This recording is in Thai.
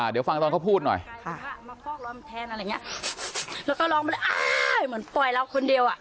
เดี๋ยวฟังตอนเขาพูดหน่อย